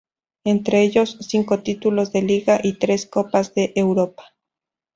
Entre ellos, cinco títulos de Liga y tres copas de Europa.